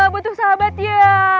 butuh sahabat ya